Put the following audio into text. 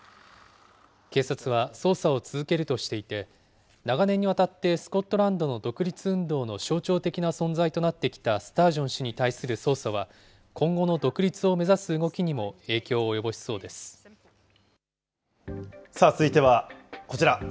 警察は、捜査を続けるとしていて、長年にわたってスコットランドの独立運動の象徴的な存在となってきたスタージョン氏に対する捜査は今後の独立を目指す動きにも影さあ、続いてはこちら。